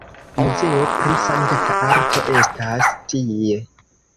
Muzeo pri sankta arto estas tie.